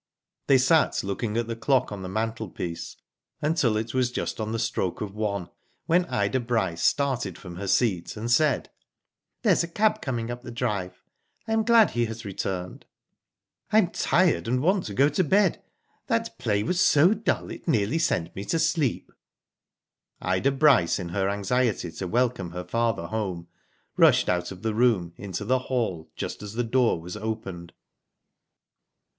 They sat looking at the clock on the mantle c 2 Digitized byGoogk 20 WHO DID ITf piece until it was just on the stroke of one, when Ida Bryce started from her seat and said :There is a cab coming up the drive, I am glad he has returned. "So am I," said Mrs. Bryce ;Tm tired and want to go to bed. That play was so dull, it nearly sent me to sleep.'* Ida Bryce, in her anxiety to welcome her father home, rushed out of the room, into the hall just as the door was opened.